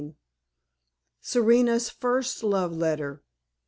SERENA'S FIRST LOVE LETTER.